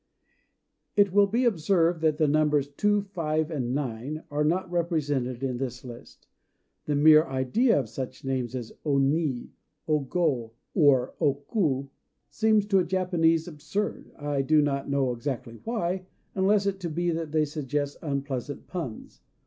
It will be observed that the numbers Two, Five, and Nine are not represented in the list: the mere idea of such names as O Ni, O Go, or O Ku seems to a Japanese absurd. I do not know exactly why, unless it be that they suggest unpleasant puns.